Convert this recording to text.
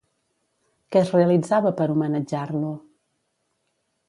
Què es realitzava per homenatjar-lo?